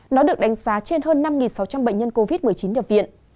nó được đánh giá trên hơn năm sáu trăm linh bệnh nhân covid một mươi chín nhập viện